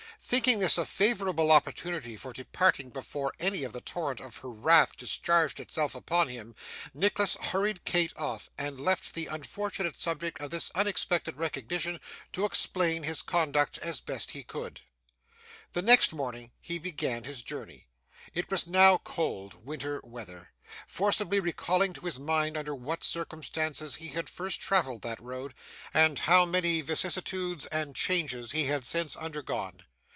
Thinking this a favourable opportunity for departing before any of the torrent of her wrath discharged itself upon him, Nicholas hurried Kate off, and left the unfortunate subject of this unexpected recognition to explain his conduct as he best could. The next morning he began his journey. It was now cold, winter weather: forcibly recalling to his mind under what circumstances he had first travelled that road, and how many vicissitudes and changes he had since undergone.